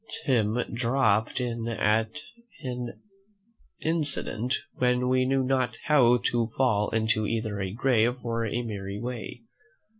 Tim dropped in at an incident when we knew not how to fall into either a grave or a merry way.